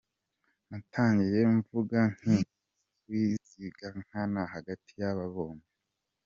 Natangiye mvuga nti ninde wigiza nkana hagati y’aba bombi.